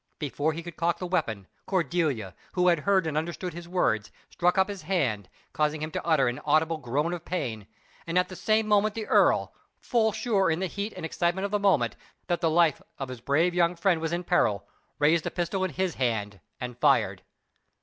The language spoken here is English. Before he could cock the weapon, Cordelia, who had heard and understood his words, struck up his hand, causing him to utter an audible groan of pain; and at the same moment the earl, full sure in the heat and excitement of the moment, that the life of his brave young friend was in peril, raised the pistol in his hand and fired.